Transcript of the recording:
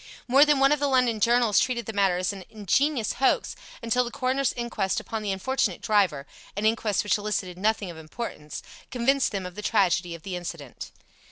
More than one of the London journals treated the matter as an ingenious hoax, until the coroner's inquest upon the unfortunate driver (an inquest which elicited nothing of importance) convinced them of the tragedy of the incident.